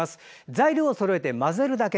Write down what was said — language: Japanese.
材料をそろえて混ぜるだけ。